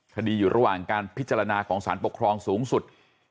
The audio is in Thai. อยู่ระหว่างการพิจารณาของสารปกครองสูงสุด